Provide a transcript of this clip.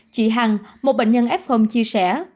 chị hằng một bệnh nhân f home chia sẻ